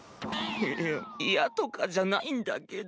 いや嫌とかじゃないんだけど。